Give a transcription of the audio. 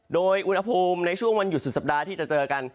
โดยอุณหภูมิในช่วงวันหยุดสุดสัปดาห์ที่จะเจอกัน